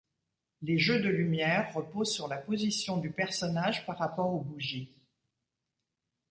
Les jeux de lumière reposent sur la position du personnage par rapport aux bougies.